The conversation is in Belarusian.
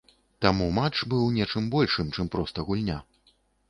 Таму матч быў нечым большым, чым проста гульня.